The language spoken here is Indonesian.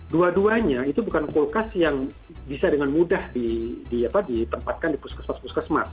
dua duanya itu bukan kulkas yang bisa dengan mudah ditempatkan di puskesmas puskesmas